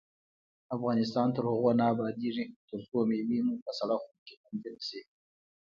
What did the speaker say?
افغانستان تر هغو نه ابادیږي، ترڅو مېوې مو په سړه خونه کې خوندي نشي.